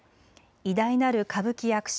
偉大なる歌舞伎役者